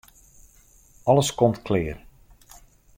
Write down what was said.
Alles komt klear.